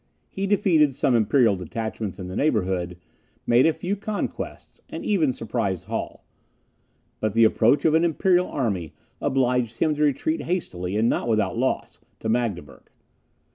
He defeated some imperial detachments in the neighbourhood, made a few conquests, and even surprised Halle. But the approach of an imperial army obliged him to retreat hastily, and not without loss, to Magdeburg.